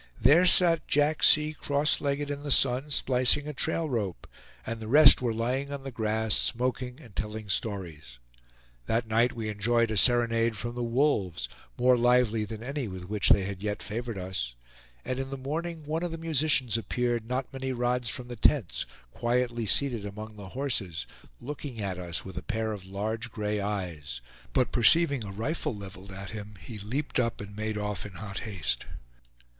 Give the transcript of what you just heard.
There sat Jack C., cross legged, in the sun, splicing a trail rope, and the rest were lying on the grass, smoking and telling stories. That night we enjoyed a serenade from the wolves, more lively than any with which they had yet favored us; and in the morning one of the musicians appeared, not many rods from the tents, quietly seated among the horses, looking at us with a pair of large gray eyes; but perceiving a rifle leveled at him, he leaped up and made off in hot haste.